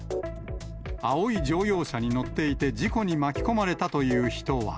青い乗用車に乗っていて、事故に巻き込まれたという人は。